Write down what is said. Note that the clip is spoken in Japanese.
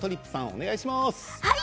お願いします。